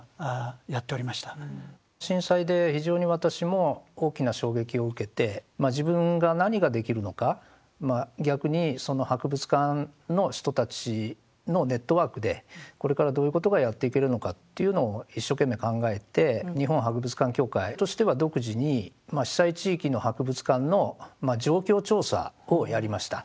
震災で非常に私も大きな衝撃を受けて自分が何ができるのか逆に博物館の人たちのネットワークでこれからどういうことがやっていけるのかというのを一生懸命考えて日本博物館協会としては独自に被災地域の博物館の状況調査をやりました。